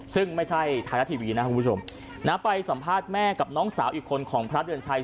ซึ่งไม่ใช่ไทยรัฐทีวีนะคุณผู้ชมนะไปสัมภาษณ์แม่กับน้องสาวอีกคนของพระเดือนชัย